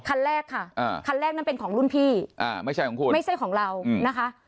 คันแรกค่ะอ่าคันแรกนั้นเป็นของรุ่นพี่อ่าไม่ใช่ของคุณไม่ใช่ของเรานะคะ